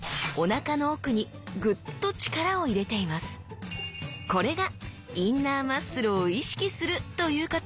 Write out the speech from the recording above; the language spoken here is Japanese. この時これが「インナーマッスルを意識する！」ということ。